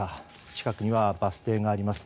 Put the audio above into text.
近くにはバス停があります。